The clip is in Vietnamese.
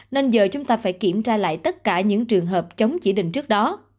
nên giờ chúng ta phải kiểm tra lại tất cả những trường hợp chống chỉ định trước đó